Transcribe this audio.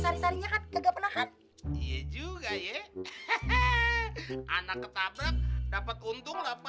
menangkap ie juga ye hehehe anak ketabrak dapat untung delapan juta